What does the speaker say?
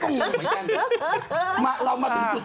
ที่เคยให้ไปจริงจักร